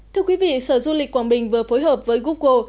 thưa quý vị sở du lịch quảng bình vừa phối hợp với google